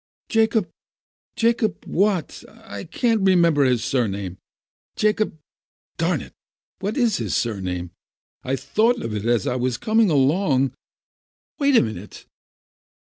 "Jacob — Jacob — what? I can't remember his sur name. Jacob— darn it, what is his surname? I thought of it as I was coming along. Wait a minute